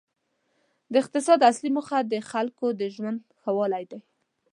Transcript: د اقتصاد اصلي موخه د خلکو د ژوند ښه والی دی.